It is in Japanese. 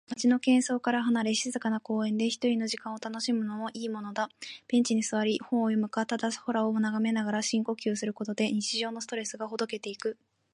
街の喧騒から離れ、静かな公園で一人の時間を楽しむのもいいものだ。ベンチに座り、本を読むか、ただ空を眺めながら深呼吸することで、日常のストレスがほどけていく。